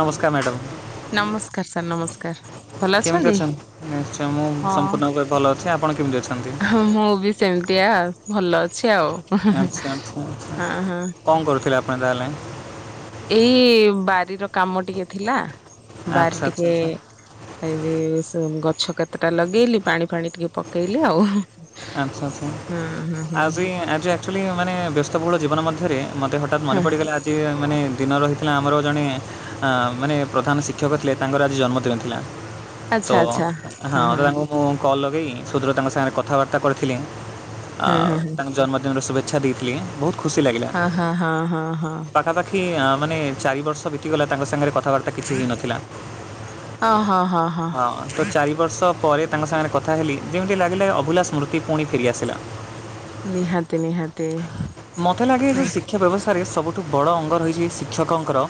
ନମସ୍କାର ମ୍ୟାଡ଼ମ୍। ନମସ୍କାର ସାର୍ ନମସ୍କାର। କେମିତି ଅଛନ୍ତି ନିଶ୍ଚୟ ମୁଁ ସମ୍ପୂର୍ଣ୍ଣ ଭାବେ ଭଲ ଅଛି ଆପଣ କେମିତି ଅଛନ୍ତି? ହ ମୁଁ ବି ସେମିତିଆ ଭଲ ଅଛି ଆଉ ଆଚ୍ଛା ଆଚ୍ଛା ଆଚ୍ଛା। ହଁ ହଁ। କଣ କରୁଥିଲେ ଆପଣ ତାହାଲେ? ଏଇ ବାରି ର କାମ ଟିକେ ଥିଲା ବାରି ଆଚ୍ଛା ଆଚ୍ଛା ଟିକେ ଆଚ୍ଛା ଏଇଠି ସେ ଗଛ କେତେଟା ଲଗେଇଲି ପାଣି ଫାଣି ଟିକେ ପକେଇଲି ଆଉ। ଆଚ୍ଛା ଆଚ୍ଛା ହଁ ହଁ ହଁ ଆଜି ଆଜି ଆକ୍ଚୁଲି ମାନେ ବ୍ୟସ୍ତବହୁଳ ଜୀବନ ମଧ୍ୟରେ ମତେ ହଠା ଠାତ୍ ମନ ହଁ ପଡ଼ିଗଲା ଆ ଆଜି ଯେ ମାନେ ଦିନ ରହିଥିଲା ଆମର ଜଣେ ମାନେ ପ୍ରଧାନ ଶିକ୍ଷକ ଥିଲେ ତାଙ୍କର ଆଜି ଜନ୍ମଦିନ ଥିଲା। ତ ହଁ ତ ତାଙ୍କୁ ମୁଁ କଲ୍ ଲଗେଇ ସୁଦୂର ତାଙ୍କ ସାଙ୍ଗରେ କଥାବାର୍ତ୍ତା କରିଥିଲି ଆ ହଁ ତାଙ୍କ ଜନ୍ମଦିନର ଶୁଭେ ଛା ଦେଇଥିଲି ବହୁତ ଖୁସି ଲାଗିଲା। ଆଁ ହା ହଁ ହଁ ହଁ। ପାଖାପାଖି ଆଁ ମାନେ ଚାରି ବର୍ଷ ବିତିଗଲା ତାଙ୍କ ସାଙ୍ଗରେ କଥାବାର୍ତ୍ତା କିଛି ହେଇନଥିଲା। ଅ ହଁ ହଁ ହଁ। ହଁ ତ ଚାରି ବର୍ଷ ପରେ ତାଙ୍କ ସାଙ୍ଗରେ କଥା ହେଲି ଯେମିତି ଲାଗିଲା ଅଭୁଲା ସ୍ମୃର୍ତ୍ତି ପୁଣି ଫେରିଆସିଲା। ନିହାତି ନିହାତି। ମୋତେ ଲାଗେ ଏ ହୁଁ ଯୋଉ ଶିକ୍ଷା ବ୍ୟବସ୍ଥାରେ ସବୁଠୁ ବଡ଼ ଅଙ୍ଗ ରହିଛି ଶିକ୍ଷକଙ୍କର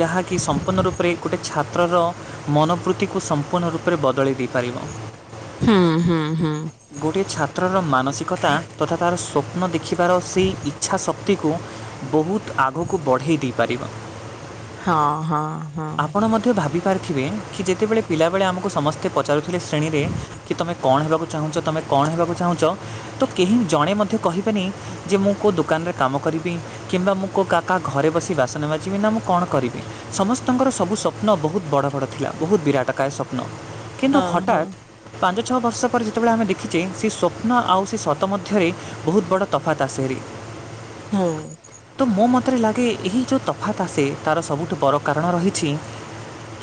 ଯାହାକି ସମ୍ପୂର୍ଣ୍ଣ ରୂପରେ ଗୋଟେ ଛାତ୍ରର ମନୋବୃତ୍ତିକୁ ସମ୍ପୂର୍ଣ୍ଣ ରୂପରେ ବଦଳେଇ ଦେଇପାରିବ। ହୁଁ ହୁଁ ହୁଁ। ଗୋଟିଏ ଛାତ୍ରର ମାନସିକତା ତଥା ତାର ସ୍ୱପ୍ନ ଦେଖିବାର ସେଇ ଇଚ୍ଛା ଶକ୍ତି ଶକ୍ତିକୁ ବହୁତ ଆଗକୁ ବଢ଼େଇ ଦେଇପାରିବ। ହଁ ହଁ ହଁ ଆପଣ ମଧ୍ୟ ଭାବି ପାରିଥିବେ କି ଯେତେବେଳେ ପିଲାବେଳେ ଆମକୁ ସମସ୍ତେ ପଚାରୁଥିଲେ ଶ୍ରେଣୀରେ କି ତୁମେ କଣ ହେବାକୁ ଚାହୁଁଛ ତୁମେ କଣ ହେବାକୁ ଚାହୁଁଛ ତ କେହି ଜଣେ ମଧ୍ୟ କହିବେନି ଯେ ମୁଁ କେଉଁ ଦୋକାନରେ କାମ କରିବି। କିମ୍ବା ମୁଁ କୋଉ କା କା ଘରେ ବସି ବାସନ ବାଜିବି ନା ମୁଁ କଣ କରିବି ସମସ୍ତଙ୍କର ସବୁ ସ ନା ବହୁତ ବଡ଼ ବଡ଼ ଥିଲା ବହୁତ ବିରାଟକାୟ ସ୍ୱପ୍ନ କିନ୍ତୁ ହଁ ହଁ ହଠାତ୍ ପାଞ୍ଚ ଛଅ ବର୍ଷ ପରେ ଯେତେବେଳେ ଆମେ ଦେଖିଛେ ସେଇ ସ୍ଵପ୍ନ ଆଉ ସେ ସତ ମଧ୍ୟରେ ବହୁତ ବଡ଼ ତ ତଫାତ ଆସେଭାରୀ। ମୁଁ କିନ୍ତୁ ମୋ ମତରେ ଲାଗେ ଏହି ଯେଉଁ ତଫାତ୍ ଆସେ ତାର ସବୁଠୁ ବଡ଼ କାରଣ ରହିଛି।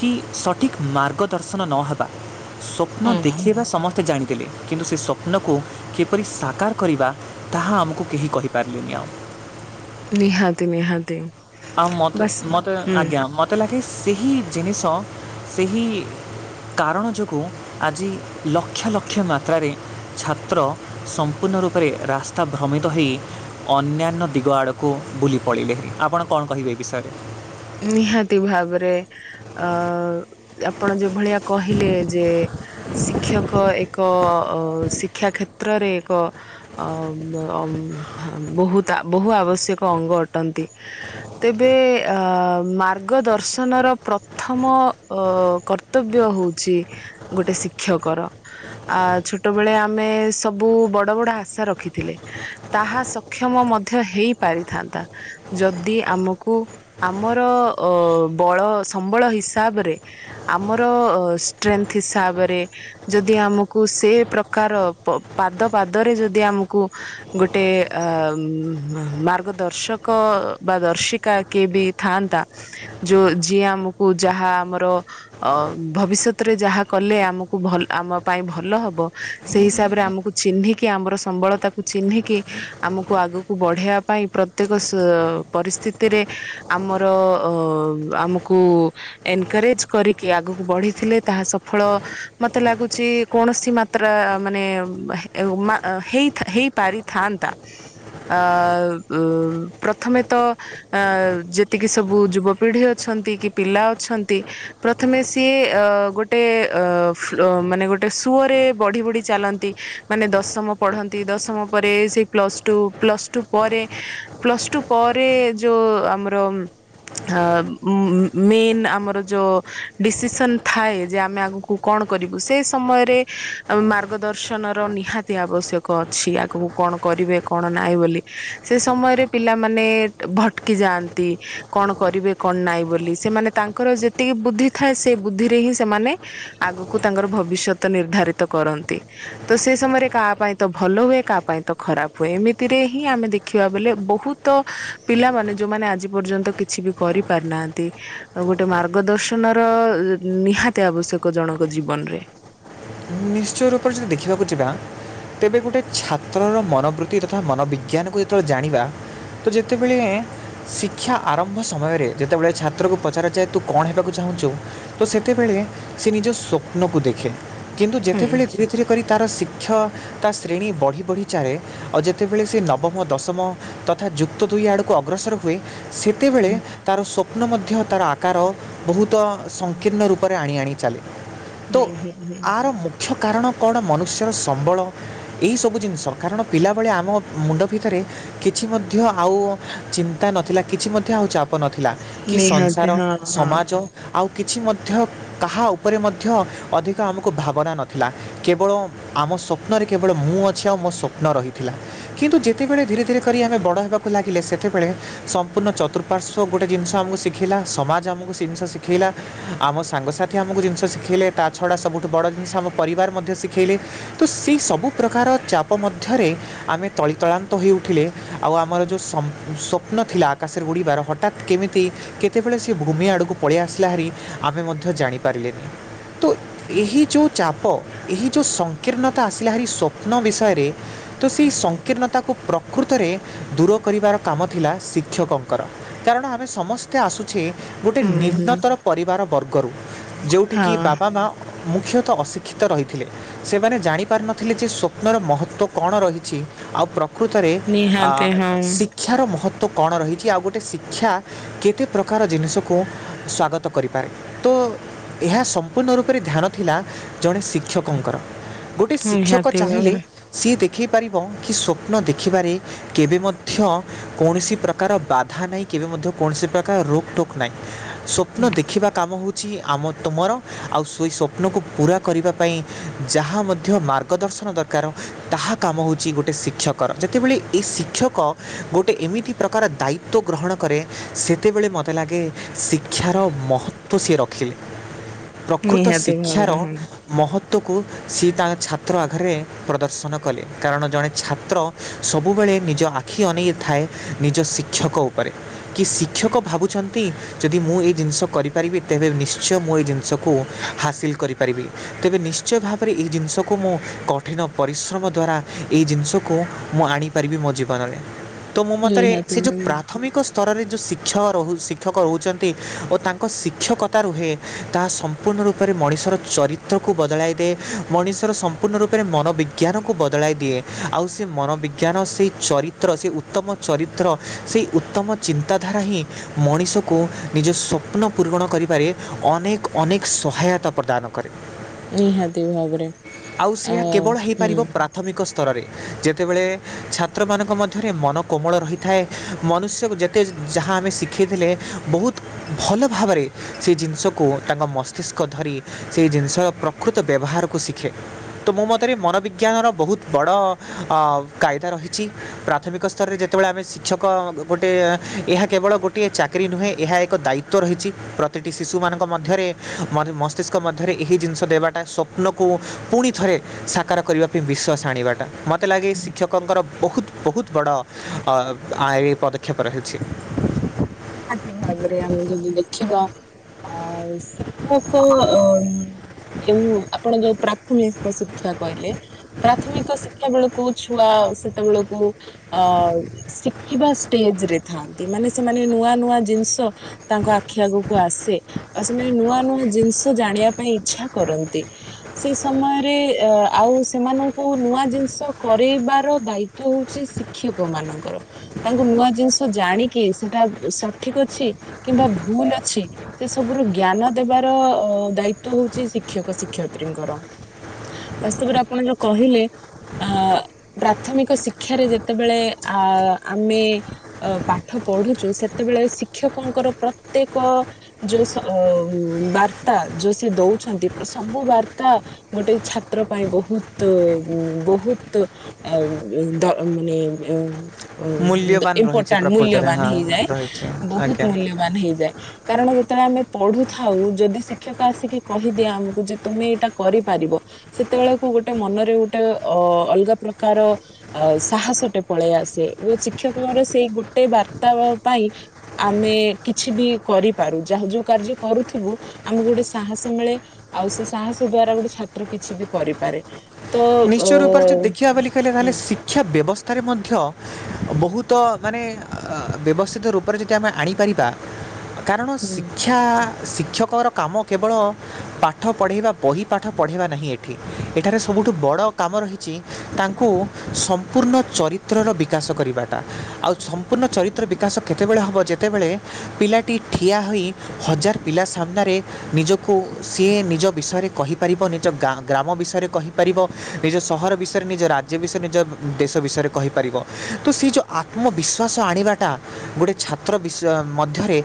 କି ସଠିକ୍ ମାର୍ଗଦର୍ଶନ ନହେବା ସ୍ୱପ୍ନ ହୁଁ ଦେଖେଇବା ସମସ୍ତେ ସେ ଚାହିଁଥିଲେ କିନ୍ତୁ ସେ ସ୍ୱପ୍ନକୁ କିପରି ସାକାର କରିବା ତାହା ଆମକୁ କୁ କେହି କହିପାରିଲିନି ଆଉ। ନିହାତି ନିହାତି। ଆଉ ମତେ ବାସ୍ ମତେ ହୁଁ ଆଜ୍ଞା ମତେ। ମୋତେ ଲାଗେ ସେହି ଜିନିଷ ସେହି କାରଣ ଯୋଗୁଁ ଆଜି ଲକ୍ଷ ଲକ୍ଷ ମାତ୍ରାରେ ଛାତ୍ର ସମ୍ପୂର୍ଣ୍ଣ ରୂପରେ ରାସ୍ତା ଭ୍ରମିତ ହେଇ ଅନ୍ୟାନ୍ୟ ଦିଗ ଆଡ଼କୁ ବୁଲି ପଡ଼ିଲେଣି ଆପଣ କଣ କହିବେ ଏ ବିଷୟରେ? ନିହାତି ଭାବରେ ଅ ଆପଣ ଯେଭଳିଆ କହିଲେ ଯେ ଶିକ୍ଷକ ଏକ ଶିକ୍ଷା କ୍ଷେତ୍ରରେ ଏକ ଅ ଅମ ବହୁ ବହୁ ଆବଶ୍ୟକ ଅଙ୍ଗ ଅଟନ୍ତି। ତେବେ ଆ ଅ ମାର୍ଗଦର୍ଶନର ପ୍ରଥମ ଅ କର୍ତ୍ତବ୍ୟ ହଉଛି ଗୋଟେ ଶିକ୍ଷକର। ଆ ଛୋଟବେଳେ ଆମେ ସବୁ ବଡ ବଡ ଆଶା ରଖିଥିଲେ। ତାହା ସକ୍ଷମ ମଧ୍ୟ ହେଇ ପାରିଥାନ୍ତା ଯଦି ଆମକୁ ଆମର ଅ ବଳ ସମ୍ବଳ ହିସାବରେ ଆମର ଷ୍ଟ୍ରେଥ ହିସାବରେ ଯଦି ଆମକୁ ସେ ପ୍ରକାର ପ ପାଦ ପାଦରେ ଯଦି ଆମକୁ ଗୋଟେ ଅ ମାର୍ଗଦର୍ଶକ ବା ଦର୍ଶିକା କିଏ ବି ଥାନ୍ତା ଯୋଉ ଯିଏ ଆମକୁ ଯାହା ଆମର ଅ ଭବିଷ୍ୟତରେ ଯାହା କଲେ ଆମକୁ ଭଲ ଆମ ପାଇଁ ଭଲ ହବ। ସେଇ ହିସାବରେ ଆମକୁ ଚିହ୍ନିକି ଆମର ସମ୍ବଳତାକୁ ଚିହ୍ନିକି ଆମକୁ ଆଗକୁ କୁ ବଢେଇବା ପାଇଁ ପ୍ରତ୍ୟେକ ସ ପରିସ୍ଥିତିରେ ଆମର ଅ ଆମକୁ ଏନକରେଜ କରିକି ଆଗକୁ ବଢିଥିଲେ ତାହା ସଫଳ ମତେ ଲାଗୁଛି କୌଣସି ମା ତ୍ରା ମାନେ ହେଇ ମ ହେଇ ପାରିଥାନ୍ତା। ଆ ଉମ ଉ ପ୍ରଥମେ ତ ଆଁ ଯେ ଏତିକି ସବୁ ଯୁବପିଢି ଅଛନ୍ତି କି ପିଲା ଅଛନ୍ତି। ପ୍ରଥମେ ସିଏ ଅ ଗୋଟେ ଅ ମାନେ ଗୋଟେ ସୁଅରେ ବଢି ବଢି ଚାଲନ୍ତି। ମାନେ ଦଶମ ପଢନ୍ତି ଦଶମ ପରେ ସେଇ ପ୍ଲସ ଟୁ ପ୍ଲସ ଟୁ ପରେ ପ୍ଲସ ଟୁ ପରେ ଯୋଉ ଆମର ହା ମ-ମ ମେନ୍ ଆମର ଯୋଉ ଡିସିସନ୍ ଥାଏ ଯେ ଆମେ ଆଗକୁ କଣ କରିବୁ ସେ ସମୟରେ ମାର୍ଗଦର୍ଶନ ର ନିହାତି ଆବଶ୍ୟକ ଅଛି ଆଗକୁ କଣ କରିବେ କଣ ନାହିଁ ବୋଲି ସେ ସମୟରେ ପିଲାମାନେ ଭଟକି ଯାଆନ୍ ତି କଣ କରିବେ କଣ ନାହିଁ ବୋଲି ସେମାନେ ତାଙ୍କର ଯେତିକି ବୁଦ୍ଧି ଥାଏ ସେ ବୁଦ୍ଧିରେ ହିଁ ସେମାନେ ଆଗୁକୁ ତାଙ୍କର ଭବିଷ୍ୟତ ନିର୍ଦ୍ଧାରିତ କରନ୍ତି ତ ସେ ସମୟରେ କାହା ପାଇଁ ତ ଭଲ ହୁଏ କାହା ପାଇଁ ତ ଖରାପ ହୁଏ ଏମିତିରେ ହିଁ ଆମେ ଦେଖିବା ବଲେ ବହୁତ ତ ପିଲାମାନେ ଯୋଉମାନେ ଆଜି ପର୍ଯ୍ୟନ୍ତ କିଛି ବି କରି ପାରନାହାନ୍ତି ଗୋଟେ ମାର୍ଗଦର୍ଶନ ର ନିହାତି ଆବଶ୍ୟକ ଜଣଙ୍କ ଜୀବନରେ ନିଶ୍ଚୟ ରୂପରେ ଯଦି ଦେଖିବାକୁ ଯିବା ତେବେ ଗୋଟେ ଛାତ୍ରର ମନୋବୃତ୍ତି ତଥା ମନୋବିଜ୍ଞାନକୁ ଯେତେବେଳେ ଜାଣିବା ତ ଯେତେବେଳେ ଶିକ୍ଷା ଆରମ୍ଭ ସମୟରେ ଯେତେବେଳେ ଛାତ୍ରକୁ ପଚାରାଯାଏ ତୁ କଣ ହେବାକୁ ଚାହୁଁଛୁ ତ ସେତେବେଳେ ସେ ନିଜ ସ୍ୱପ୍ନକୁ ଦେଖେ କିନ୍ତୁ ହୁଁ ଯେତେବେଳେ ସେଥିରେ କରି ତାର ଶିକ୍ଷ ତା ଶ୍ରେଣୀ ବଢ଼ି ବଢ଼ି ଚାରେ ଆଉ ଯେତେବେଳେ ସେ ନବମ ଦଶମ ତଥା ଯୁକ୍ତ ଦୁଇ ଆଡ଼କୁ ଅଗ୍ରସର ହୁଏ ସେତେବଳେ ହୁଁ ତାର ସ୍ୱ ସ୍ୱପ୍ନ ମଧ୍ୟ ତାର ଆକାର ବହୁତ ସଂକୀର୍ଣ୍ଣ ରୂପରେ ଆଣି ଆଣି ଚାଲେ ତ ହୁଁ ହୁଁ ହୁଁ ଆର ମୁଖ୍ୟ କାରଣ କଣ ମନୁଷ୍ୟର ସମ୍ବଳ ଏହିସବୁ ଜିନିଷ କାରଣ ପିଲାବେଳେ ଆମ ମୁଣ୍ଡ ଭିତରେ କିଛି ମଧ୍ୟ ଆଉ ଚିନ୍ତା ନଥିଲା କିଛି ମଧ୍ୟ ଆଉ ଚାପ ନଥିଲା କି ନିହାତି ସଂସାର ହଁ ହଁ ସମାଜ ଆଉ କିଛି ମଧ୍ୟ କାହା ଉପରେ ମଧ୍ୟ ଅଧିକ ତ ଆମକୁ ଭାବନା ନଥିଲା କେବଳ ଆମ ସ୍ୱପ୍ନରେ କେବଳ ମୁଁ ଅଛି ଆଉ ମୋ ସ୍ୱପ୍ନ ରହିଥିଲା କିନ୍ତୁ ଯେତେବେଳେ ଧୀରେ ଧୀରେ କରି ଆମେ ବଡ ହେବାକୁ ଲାଗିଲେ ସେତେବେଳେ ସମ୍ପୂର୍ଣ୍ଣ ଚତୁର୍ପାର୍ଶ୍ୱ ଗୋଟେ ଜିନିଷ ଆମକୁ ଶିଖେଇଲା ସମାଜ ଆମକୁ ସେ ଜିନିଷ ଶିଖେଇଲା ଆମ ସାଙ୍ଗସାଥି ଆମକୁ ଜିନିଷ ଶିଖେଇଲେ ତା ଛଡ଼ା ସବୁଠୁ ବଡ଼ ଜିନିଷ ଆମ ପରିବାର ମଧ୍ୟ ଶିଖେଇଲେ ତ ସେଇ ସବୁ ପ୍ରକାର ଚାପ ମଧ୍ୟରେ ଆମେ ତଳିତଳାନ୍ତ ହୋଇ ଉଠିଲେ ଆଉ ଆମର ଯୋଉ ସମ ସ୍ୱପ୍ନ ଥିଲା ଆକାଶରେ ଉୁଡ଼ିବାର ହଠ ହଠାତ୍ କେମିତି କେତେବେଳେ ସେ ଭୂମି ଆଡ଼କୁ ପଳେଇ ଆସିଲା ହାରି ଆମେ ମଧ୍ୟ ଜାଣିପାରିଲେନି ତ ଏହି ଯୋଉ ଚାପ ଏହି ଯୋଉ ସଂକୀର୍ଣ୍ଣତା ଆସିଲା ହାରି ସ୍ୱପ୍ନ ବିଷୟରେ ତ ସେଇ ସଂକୀର୍ଣ୍ଣତାକୁ ପ୍ରକୃତରେ ଦୂର କରିବାର କାମ ଥିଲା ଶିକ୍ଷକଙ୍କର କାରଣ ଆମେ ସମସ୍ ତେ ଆସୁଛେ ଗୋଟେ ହୁଁ ହୁଁ ନିମ୍ନତ୍ତର ପରିବାର ବର୍ଗରୁ ଯେଉଁଠିକି ହଁ ବାପ୍ ବାପା ମା ମୁଖ୍ୟତଃ ଅଶିକ୍ଷିତ ରହିଥିଲେ ସେମାନେ ଜାଣି ପାରି ନଥିଲେ ଯେ ସ୍ଵପ୍ନର ମହତ୍ତ୍ୱ କଣ ରହିଛି ଆଉ ପ୍ର ପ୍ରକୃତରେ ଆ ନିହାତି ହଁ ଶିକ୍ଷାର ମହତ୍ଵ କଣ ରହିଛି ଆଉ ଗୋଟେ ଶିକ୍ଷା କେତେ ପ୍ରକାର ଜିନିଷକୁ ସ୍ଵାଗତ କରିପାରେ ତ ଏହା ସମ୍ ପୂର୍ଣ୍ଣ ରୂପରେ ଧ୍ୟାନ ଥିଲା ଜଣେ ଶିକ୍ଷକଙ୍କର ଗୋଟେ ଶିକ୍ଷକ ନିହାତି ଚାହିଁଲେ ଭାବରେ ସିଏ ଦେଖେଇ ପାରିବ କି ସ୍ୱପ୍ନ ଦେଖିବାରେ କେବେ ମଧ୍ୟ କୌଣସି ପ୍ରକାର ବାଧା ନାହିଁ କେବେ ମଧ୍ୟ କୌଣସି ପ୍ରକାର ରୋକ ଟୋକ ନାହିଁ ସୋ ସ୍ଵପ୍ନ ଦେଖିବା କାମ ହଉଛି ଆମ ତମର ଆଉ ସେଇ ସ୍ୱପ୍ନକୁ ପୂରା କରିବା ପାଇଁ ଯାହା ମଧ୍ୟ ମାର୍ଗଦର୍ଶନ ଦର କାର ତାହା କାମ ହେଉଛି ଗୋଟେ ଶିକ୍ଷକର ଯେତେବେଳେ ଏ ଶିକ୍ଷକ ଗୋଟେ ଏମିତି ପ୍ରକାର ଦାୟି ତ୍ବ ଗ୍ରହଣ କରେ ସେତେବେଳେ ମୋତେ ଲାଗେ ଶିକ୍ଷାର ମହତ୍ଵ ସିଏ ରଖିଲେ ପ୍ରକୃତ ନିହାତି ଶିକ୍ଷାର ଭାବରେ ହଁ ମହତ୍ଵକୁ, ସିଏ ତାଙ୍କ ଛାତ୍ର ଆଘରେ ପ୍ରଦର୍ଶନ କଲେ କାରଣ ଜଣେ ଛାତ୍ର ସବୁବେଳେ ନିଜ ଆଖି ଅନେଇ ଥାଏ। ନିଜ ଶିକ୍ଷକ ଉପରେ। କି ଶିକ୍ଷକ ଭାବୁଛନ୍ତି ଯଦି ମୁଁ ଏଇ ଜିନିଷ କରିପାରିବି ତେବେ ନିଶ୍ଚୟ ମୁଁ ଏଇ ଜିନିଷ କୁ, ହାସିଲ କରିପାରିବି ତେବେ ନିଶ୍ଚୟ ଭାବରେ ଏଇ ଜିନିଷକୁ ମୁଁ କ କଠିନ ପରିଶ୍ରମ ଦ୍ବାରା ଏଇ ଜିନିଷକୁ ମୁଁ ଆଣିପାରିବି ମୋ ଜୀବନରେ। ତୋ ମୋ ମତରେ ନିହାତି ସେ ଯେଉଁ ପ୍ରାଥମିକ ସ୍ତରରେ ଯେଉଁ ଶିକ୍ଷଣ ରହୁ ଶିକ୍ଷକ ରହୁଛନ୍ତି ଓ ତାଙ୍କ ଶିକ୍ଷକତା ରୁହେ ତାହା ସ ସମ୍ପୂର୍ଣ୍ଣ ରୂପରେ ମଣିଷର ଚରିତ୍ରକୁ ବଦଳାଇ ଦିଏ। ମଣିଷର ସମ୍ପୂର୍ଣ୍ଣ ରୂପରେ ମନୋବିଜ୍ଞାନକୁ ବଦଳାଇ ଦିଏ। ଆଉ ସେ ମନୋବିଜ୍ଞାନ ସେଇ ଚରିତ୍ର, ସେ ଉତ୍ତମ ଚରିତ୍ର, ସେଇ ଉତ୍ତମ ଚିନ୍ତାଧାରା ହିଁ ମଣିଷକୁ, ନିଜ ସ୍ୱପ୍ନ ପୂରଣ କରିବାରେ ଅନେକ ଅନେକ ସହାୟତା ପ୍ରଦାନ କରେ। ନିହାତି ଭାବରେ ଆଉ ଆ ସେଆ କେବଳ ହୁଁ ହେଇପାରିବ ପ୍ରା ପ୍ରାଥମିକ ସ୍ତରରେ। ଯେତେବେଳେ ଛାତ୍ରମାନଙ୍କ ମଧ୍ୟରେ ମନ କୋମଳ ରହିଥାଏ। ମନୁଷ୍ୟକୁ ଯେତେ ଯାହା ଆମେ ଶିଖାଇଥିଲେ, ବହୁତ ଭଲ ଭାବରେ ସେ ଜିନିଷକୁ ତାଙ୍କ ମସ୍ତିଷ୍କ ଧରି, ସେହି ଜିନିଷର ପ୍ରକୃତ ବ୍ୟବହାରକୁ ଶିଖେ। ତୁ ମୋ ମତରେ ମନୋବିଜ୍ଞାନର ବହୁତ ବଡ଼ ଅ କାଇଦା ରହିଛି। ପ୍ରାଥମିକ ସ୍ତରରେ ଯେତେବେଳେ ଆମେ ଶିକ୍ଷକ ଗୋଟେ ଏହା କେବଳ ଗୋଟିଏ ଚାକିରି ନୁହେଁ ଏହା ଏକ ଦାୟିତ୍ଵ ତ୍ବ ରହିଛି ପ୍ରତିଟି ଶିଶୁମାନଙ୍କ ମଧ୍ୟରେ ମନେ ମସ୍ତିଷ୍କ ମଧ୍ୟରେ, ଏହି ଜିନିଷ ଦେବାଟା ସ୍ୱପ୍ନକୁ ପୁଣିଥରେ ସାକାର କରିବା ପାଇଁ ବିଶ୍ୱାସ ଆଣିବାଟା ମତ ମତେ ଲାଗେ ଶିକ୍ଷକଙ୍କର ବହୁତ, ବହୁତ ବଡ ଅ ଆଏ ପଦକ୍ଷେପ ରହିଛି। ନିହାତି ଭାବରେ ଆମେ ଯଦି ଦେଖିବା ଆଉ ଶିକ୍ଷକ ଓଂ ଏଉଁ ଆପଣ ଯୋଉ ପ୍ରାଥମିକ ଶିକ୍ଷା କହିଲେ ପ୍ରାଥମିକ ଶିକ୍ଷା ବେଳକୁ ମୁଁ ଛୁଆ। ସେତେବେଳକୁ ଅଉ ଶିଖିବା ଷ୍ଟେଜରେ ଥାଆନ୍ତି। ମାନେ ସେମାନେ ନୂଆ ନୂଆ ଜିନିଷ ତାଙ୍କ ଆଖି ଆଗକୁ ଆସେ। ଆଉ ସେମାନେ ନୂଆ ନୂଆ ଜିନିଷ ଜାଣିବା ପାଇଁ ଇଚ୍ଛା କରନ୍ତି। ସେ ସମୟରେ ଅ ଆଉ ସେମାନଙ୍କୁ, ନୂଆ ଜିନିଷ କରେଇବାର ଦାୟିତ ହେଉଛି ଶି ଶିକ୍ଷକ ମାନଙ୍କର। ତାଙ୍କୁ ନୂଆ ଜିନିଷ ଜାଣିକି ସେଟାବ ସଠିକ ଅଛି କିମ୍ବା ଭୁଲ ଅଛି। ସେ ସବୁ ର ଜ୍ଞାନ ଦେବାର ଅ ଦାୟିତ୍ଵ ହଉଛି ଶିକ୍ଷକ ଶିକ୍ଷୟତ୍ରୀଙ୍କର। ବାସ୍ତବରେ ଆପଣ ଯୋଉ କହିଲେ! ଆ ପ୍ରାଥମିକ ଶିକ୍ଷାରେ ଯେତେବେଳେ ଆ ଆମେ ଅ ପାଠ ପଢୁଛୁ। ସେତେବେଳେ ଶିକ୍ଷକଙ୍କର ପ୍ରତ୍ୟେକ ଯେ ସୋ ଅଉ ବାର୍ତ୍ତା ଯୋଉ ସେ ଦଉଛନ୍ତି। ସବୁ ବାର୍ତ୍ତା ଗୋଟେ ଛାତ୍ର ପାଇଁ ବହୁତ, ବହୁତ ଆ ମାନେ ମୂଲ୍ୟବାନ ରହିଛି ଇମ୍ପୋର୍ଟାଣ୍ଟ ପ୍ରକୃତରେ ମୂଲ୍ୟବାନ ହଁ [unintelligible] ଧିରେ ରହିଛି ବହୁତ ଆଜ୍ଞା ମୂଲ୍ୟବାନ ହେଇଯାଏ। କାରଣ ଯେତେବେଳେ ଆମେ ପଢୁଥାଉ, ଯଦି ଶିକ୍ଷକ ଆସିକି କହିଦିଏ ଆମକୁ, ଯେ ତୁମେ ଏଇଟା କରିପାରିବ। ସେତେବେଳକୁ ଗୋଟେ ମନରେ ଗୋଟେ ଅ ଅଲଗା ପ୍ରକାର ଅ ସାହସଟେ ପଳେଇ ଆସେ। ଓ ଶିକ୍ଷକଙ୍କର ସେଇ ଗୋଟେ ବାର୍ତ୍ତାବ ପାଇଁ ଆମେ କିଛି ବି କରିପାରୁ। ଯାହା ଯୋଉ କାର୍ଯ୍ୟ କରୁଥିବୁ ଆମକୁ ଗୋଟେ ସାହସ ମିଳେ। ଆଉ ସେ ସାହସ ଦ୍ଵାରା ଗୋଟେ ଛାତ୍ର କିଛି ବି କରିପାରେ। ତ ଅ ନିଶ୍ଚୟ ରୂପରେ ଯଦି ଦେଖିବା ବୋଲି କହିଲେ ହୁଁ ତାହେଲେ ଶିକ୍ଷା ବ୍ୟବସ୍ଥାରେ ମଧ୍ୟ ବହୁତ ମାନେ ବ୍ୟବସ୍ଥିତ ରୂପରେ ଯଦି ଆମେ ଆଣିପାରିବା କାରଣ ହୁଁ। ଶିକ୍ଷିତା। କା ଶିକ୍ଷକର କାମ କେବଳ ପାଠ ପଢ଼େଇବା ବହି ପାଠ ପଢ଼ାଇବା ନାହିଁ ଏ ଠିକ୍ ଏଠାରେ ହୁଁ ସବୁ। ତ କାମ ରହିଛି ତାଙ୍କୁ ସମ୍ପୂର୍ଣ୍ଣ ଚରିତ୍ରର ବିକାଶ କରିବା। ଆଉ ହୁଁ ସମ୍ପୂର୍ଣ୍ଣ ନିହାତି। ଚରିତ୍ରର ବିକାଶ କେତେବେଳେ ହବ ଯେତେବେଳେ ପିଲାଟି ଠିଆ ହୋଇ ହଜାର ପିଲା ସାମ୍ନାରେ ନିଜକୁ ସିଏ ନିଜ ବିଷୟରେ କହିପାରିବ ନିଜ ଗା ଗ୍ରାମ ବିଷୟରେ କହି ପାରିବ ନିଜ ସହର ବିଷୟରେ ନିଜ ରାଜ୍ୟ ବିଷୟରେ ନିଜ ଦେଶ ବିଷୟରେ କହିପାରିବ ତୁ ସେ ଯୋ ଆତ୍ମ ବିଶ୍ୱାସ ଆଣିବାଟା ଗୋଟେ ଛାତ୍ର ବିଷୟ ମଧ୍ୟରେ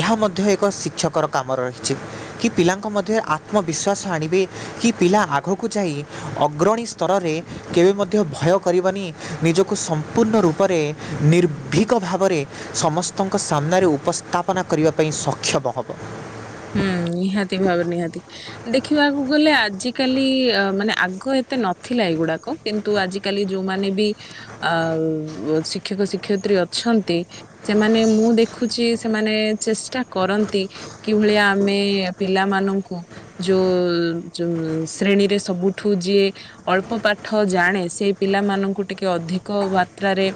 ଏହା ମଧ୍ୟ ଏକ ଶିକ୍ଷକର କାମରେ ରହିଛି। କି ପିଲାଙ୍କ ମଧ୍ୟରେ ଆତ୍ମବିଶ୍ଵାସ ଆଣିବେ କି ପିଲା ଆଗକୁ କୁ ଯାଇ ଅଗ୍ରଣୀ ସ୍ତରରେ କେବେ ମଧ୍ୟ ଭୟ କରିବନି ନିଜକୁ ସମ୍ପୂର୍ଣ୍ଣ ରୂପରେ ନିର୍ଭୀକ ଭାବରେ। ସମସ୍ତଙ୍କ ସାମ୍ନାରେ ଉପସ୍ଥାପନା କରିବା ପାଇଁ ସକ୍ଷମ ହବ। ହୁଁ ନିହାତି ଭାବରେ ନିହାତି। ଦେଖିବାକୁ ଗଲେ ଆଜିକାଲି ମାନେ ଆଗ ଏତେ ନଥିଲା ଏଇଗୁଡାକ। କିନ୍ତୁ ଆଜିକାଲି ଯୋଉମାନେ ବି ଆଉ ଶିକ୍ଷକ ଶିକ୍ଷୟତ୍ରୀ ଅଛନ୍ତି। ସେମାନେ ମୁଁ ଦେଖୁଛି ସେମାନେ ଚେଷ୍ଟା କରନ୍ତି। କି ଭଳିଆ ଆମେ ପିଲାମାନଙ୍କୁ। ଯୋଉ ଯୋ ଶ୍ରେଣୀରେ ସବୁଠୁ ଯିଏ। ଅଳ୍ପ ପାଠ ଜାଣେ ସେ ପିଲାମାନଙ୍କୁ ଟିକେ ଅଧିକ ମାତ୍ରାରେ।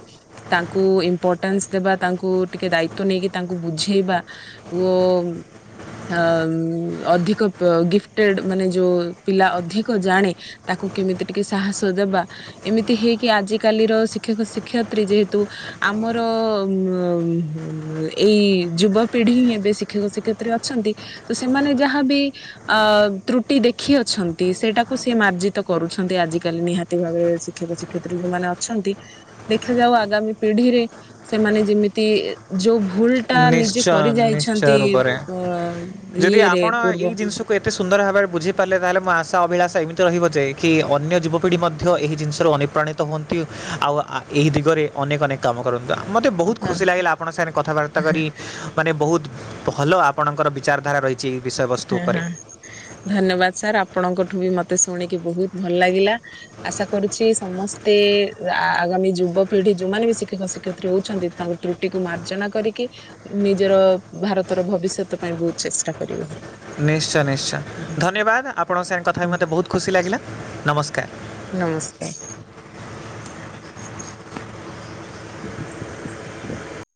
ତାଙ୍କୁ ଇମ୍ପୋର୍ଟାନ୍ସ ଦେବା ତାଙ୍କୁ ଟିକେ ଦାୟିତ ନେଇକି ତାଙ୍କୁ ବୁଝେଇବା। ଉ ମ। ଅ ଅଧିକ ଗିଫ୍ଟେଟେଡ ମାନେ ଯୋଉ ପିଲା ଅଧିକ ଜାଣେ। ତାକୁ କେମିତି ଟିକେ ସାହସ ଦେବା। ଏମିତି ହେଇକି ଆଜିକାଲିର ଶିକ୍ଷକ ଶିକ୍ଷୟତ୍ରୀ ଯେହେତୁ ଆମର ଉ ଏଇ ଯୁବପିଢି ହିଁ ଏବେ ଶିକ୍ଷକ ଶିକ୍ଷ ତ୍ରି ଅଛନ୍ତି ତ ସେମାନେ ଯାହାବି ଖ ତ୍ରୁଟି ଦେଖି ଅଛନ୍ତି ସେଟାକୁ ସେ ମାର୍ଜିତ କରୁଛନ୍ତି ଆଜିକାଲି ନିହାତି। ଦିନରେ ଶିକ୍ଷକ ଶିକ୍ଷତ୍ରି ମାନେ ଅଛନ୍ତି। ଦେଖାଯାଉ ଆଗାମୀ ପିଢିରେ ସେମାନେ ଯେମିତି ଯୋଉ ଭୁଲ ତା ନିଜେ ନିଶ୍ଚୟ କରି ନିଶ୍ଚୟ ଯାଇଛନ୍ତି ରୂପରେ ଅ ଯଦି ଇଏରେ ଆପଣ ପୂର୍ବ। [unintelligible] ସୁନ୍ଦର ଭାବରେ ବୁଝି ପାରିଲ ତାହେଲେ ମୋ ଆଶା ଅଭିଳାଷ ଏମିତି ରହିବ ଯେ କି ଅନ୍ୟ ଯୁବପିଢି ମଧ୍ୟ ଏହି ଜିନିଷର ଅନେ ପ୍ରଣୀତ ହୁଅନ୍ତି ଆଉ ଆ ଏହି ଦିଗରେ ଅନେକ ଅନେକ। କାମ କରନ୍ତୁ ଆ ମତେ ବହୁତ ହଁ ଖୁସି ଲାଗିଲା ଆପଙ୍କ ସାଙ୍ଗରେ କଥାବା ତା କରି ମାନେ ବହୁତ ଭଲ ଆପଣଙ୍କର ବିଚାରଧାରା ରହି ଚ ବିଷୟ ବ ହଁ ହଁ ଧନ୍ୟବାଦ ସାର୍ ଆପଣଙ୍କଠୁ ବି ମତେ ଶୁଣିକି ବହୁତ ଭଲ ଲାଗିଲା। ଆଶା କରୁଛି ସମସ୍ତେ ଆଗାମୀ ଯୁବପିଢି ଯୋଉମାନେ ବି ଶିକ୍ଷକ ଶିକ୍ଷୟତ୍ରୀ ହଉଛନ୍ତି। ତାଙ୍କ ତ୍ରୁଟିକୁ ମାର୍ଜନା କରିକି ନିଜର ଭାରତର ଭବିଷ୍ୟତ ପାଇଁ ବହୁତ ଚେଷ୍ଟା କରିବେ। ନିଶ୍ଚୟ ନିଶ୍ଚୟ ଧନ୍ୟବାଦ ଆପଣଙ୍କ ସାଙ୍ଗେ କଥା ମୋତେ ବହୁତ ଖୁସି ଲାଗିଲା ନମସ୍କାର। ନମସ୍କାର।